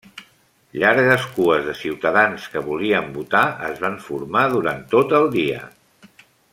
Llargues cues de ciutadans que volien votar es van formar durant tot el dia.